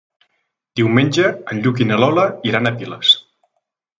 Diumenge en Lluc i na Lola iran a Piles.